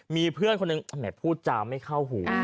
มีเพื่อนคนหนึ่งพูดจาไม่เข้าหู